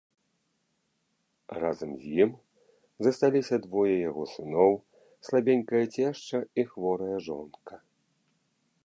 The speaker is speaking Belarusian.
Разам з ім засталіся двое яго сыноў, слабенькая цешча і хворая жонка.